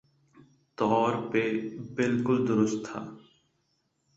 طور پہ بالکل درست تھا